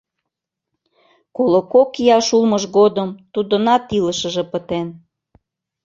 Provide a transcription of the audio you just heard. Коло кок ияш улмыж годым тудынат илышыже пытен.